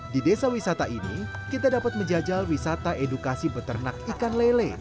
di desa wisata ini kita dapat menjajal wisata edukasi beternak ikan lele